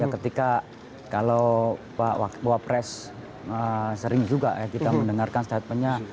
ketika kalau pak wapres sering juga kita mendengarkan statementnya